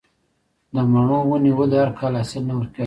د مڼو ونې ولې هر کال حاصل نه ورکوي؟